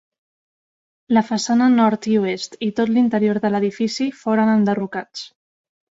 La façana nord i oest i tot l’interior de l’edifici foren enderrocats.